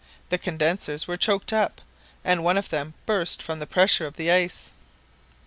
The condensers were choked up, and one of them burst from the pressure of the ice.